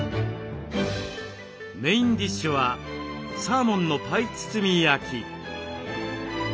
メインディッシュはサーモンのパイ包み焼き。